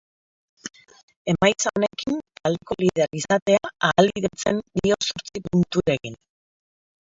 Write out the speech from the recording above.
Emaitza honekin, taldeko lider izatea ahalbidetzen dio zortzi punturekin.